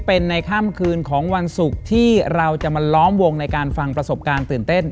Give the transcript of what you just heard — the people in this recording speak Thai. เป็นในค่ำคืนของวันศุกร์ที่เราจะมาล้อมวงในการฟังประสบการณ์ตื่นเต้น